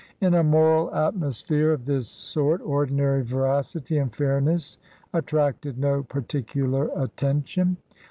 In a moral atmo sphere of this sort ordinary veracity and fairness attracted no particular attention.